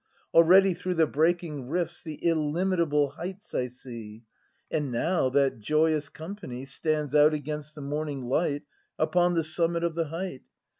Already through the breaking rifts The illimitable heights I see; And now that joyous company Stands out against the morning light Upon the summit of the height.